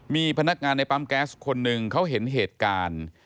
มีพนักงานในปั๊มแก๊สคนหนึ่งเขาเห็นเหตุการณ์